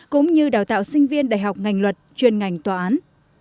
cũng như đào tạo sinh viên đại học ngành luật chuyên ngành tòa án